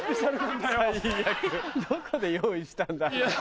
どこで用意したんだよ。